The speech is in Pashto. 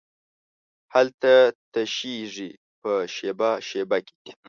هلته تشېږې په شیبه، شیبه کې